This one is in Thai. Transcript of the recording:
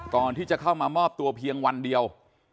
ก่อนที่จะเข้ามามอบตัวเพียงวันเดียว